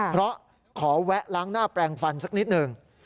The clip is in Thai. เพราะขอแวะล้างหน้าแปลงฟันสักนิดหนึ่ง